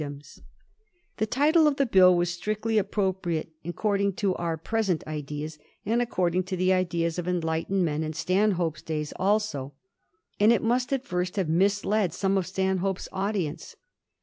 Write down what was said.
226 doms/ The title of the Bill was strictly appropriate according to our present ideas, and according to the ideas of enlightened men in Stanhope's days also ; hut it must at first have misled some of Stanhope's audience.